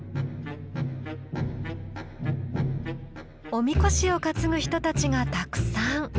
おみこしを担ぐ人たちがたくさん。